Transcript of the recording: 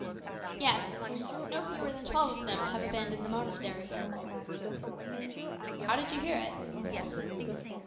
"Yes; no fewer than twelve of them have abandoned the monastery." "How did you hear it?"